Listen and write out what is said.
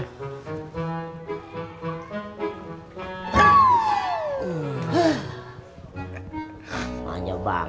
tuh udah mau siap dong